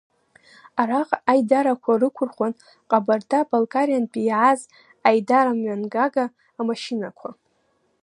Араҟа аидарақәа рықәырхуан Ҟабарда-Балкариантәи иааз аидарамҩангага амашьынақәа.